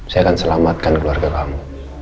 saya akan selamatkan keluarga kamu